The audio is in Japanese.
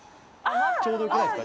ちょうど良くないですか？